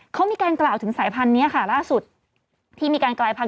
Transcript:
เขามีการกล่าวถึงสายพันธุ์นี้ค่ะล่าสุดที่มีการกลายพันธ